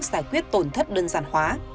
giải quyết tổn thất đơn giản hóa